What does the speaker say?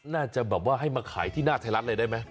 น่าจะแบบว่าให้มาขายที่หน้าไทยรัฐเลยได้ไหม